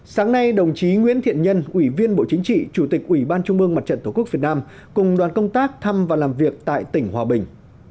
sáng nay đồng chí nguyễn thiện nhân ủy viên bộ chính trị chủ tịch ủy ban trung mương mặt trận tổ quốc việt nam cùng đoàn công tác thăm và làm việc tại tỉnh hòa bình